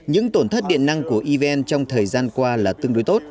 những tổn thất điện năng của evn trong thời gian qua là tương đối tốt